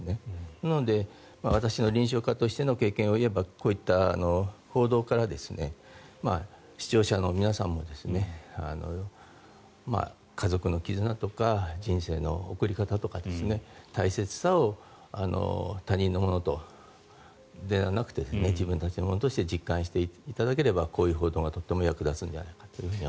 なので、私の臨床家としての経験を言えばこういった報道から視聴者の皆さんも家族の絆とか人生の送り方とか大切さを他人のものではなくて自分たちのものとして実感していただければこういった報道が役に立つんじゃないかと。